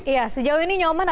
iya sejauh ini nyoman